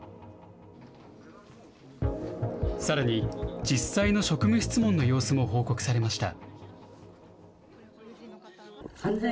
さらに、実際の職務質問の様子も報告されました。